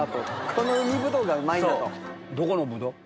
この海ぶどうがうまいんだと。